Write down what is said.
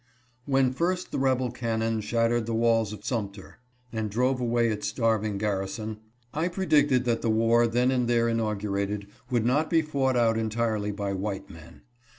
" When first the rebel cannon shattered the walls of Sumter and drove away its starving garrison, I predicted that the war then and there inaugurated would not be fought out entirely by white men.